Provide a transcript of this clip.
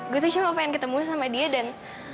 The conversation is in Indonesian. gue tuh cuma pengen ketemu sama dia dan